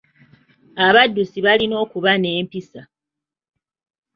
Abaddusi balina okuba n'empisa.